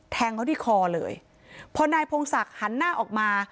แทงเขาที่คอเลยพอนายพงศักดิ์หันหน้าออกมา